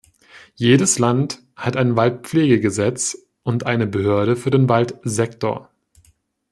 Jedes Land hat ein Waldpflegegesetz und eine Behörde für den Waldsektor.